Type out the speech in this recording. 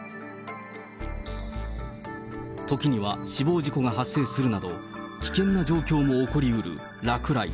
時には死亡事故が発生するなど、危険な状況も起こりうる落雷。